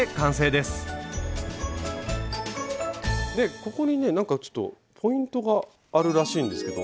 でここにねなんかちょっとポイントがあるらしいんですけど。